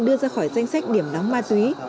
đưa ra khỏi danh sách điểm nóng ma túy